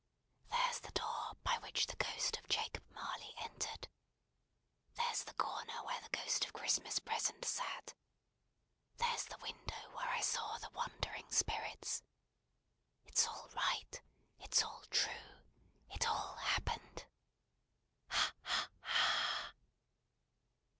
"There's the door, by which the Ghost of Jacob Marley entered! There's the corner where the Ghost of Christmas Present, sat! There's the window where I saw the wandering Spirits! It's all right, it's all true, it all happened. Ha ha ha!"